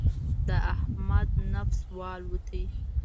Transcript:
د احمد نفس والوت.